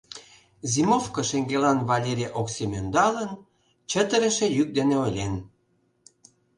Зимовко шеҥгелан Валерий Оксим ӧндалын, чытырыше йӱк дене ойлен: